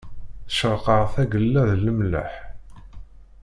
Tecrek-aɣ tagella d lemleḥ.